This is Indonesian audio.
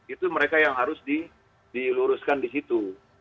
itu mereka yang harus diluruskan di situ